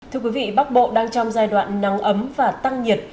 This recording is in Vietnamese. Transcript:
thưa quý vị bắc bộ đang trong giai đoạn nắng ấm và tăng nhiệt